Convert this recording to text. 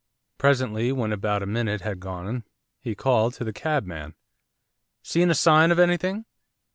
Presently, when about a minute had gone, he called to the cabman. 'Seen a sign of anything?